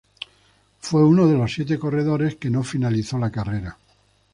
Fue uno de los siete corredores que no finalizó la carrera.